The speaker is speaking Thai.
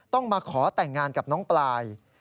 ต้องมาขอแต่งงานกับน้องปลาย